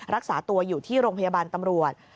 รักษาตัวอยู่ที่โรงพยาบาลตำรวจ